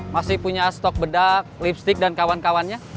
masih punya stok bedak lipstick dan kawan kawannya